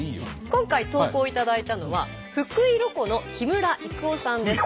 今回投稿いただいたのは福井ロコの木村郁夫さんです。